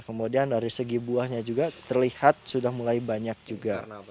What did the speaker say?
kemudian dari segi buahnya juga terlihat sudah mulai banyak juga